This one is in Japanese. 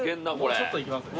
もうちょっといけますね。